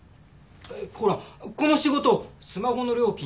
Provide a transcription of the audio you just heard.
ほらこの仕事スマホの料金